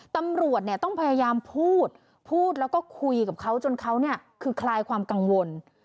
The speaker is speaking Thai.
ตำรวจต้องพยายามพูดแล้วก็คุยกับเขาจนเขาคือคลายความกังวล